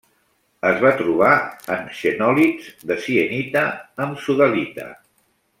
Es va trobar en xenòlits de sienita amb sodalita.